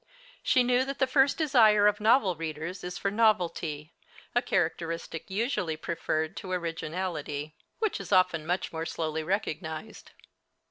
She knew that the first desire of novel readers is for novelty, a characteristic usually preferred to originality, which is often much more slowly recognized.